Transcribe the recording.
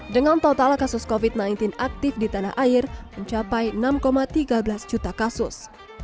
dengan total kasus covid sembilan belas aktif di tanah air mencapai enam tiga belas juta kasus